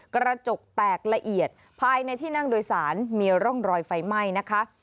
กระจกแตกละเอียดภายในที่นั่งโดยสารมีร่องรอยไฟไหม้นะคะ